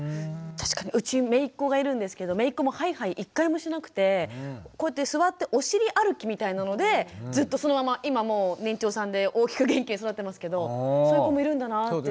確かにうちめいっ子がいるんですけどめいっ子もハイハイ１回もしなくてこうやって座ってお尻歩きみたいなのでずっとそのまま今もう年長さんで大きく元気に育ってますけどそういう子もいるんだなぁって。